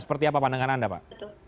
seperti apa pandangan anda pak